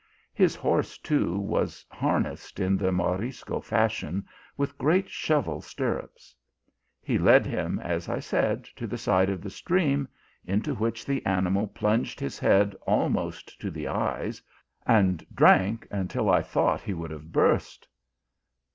His horse, too, was har nessed in the Morisco fashion, with great shovel stirrups. He led him, as I said, to the side of the stream, into which the animal plunged his head al most to the eyes, and drank until I thought he would have burst.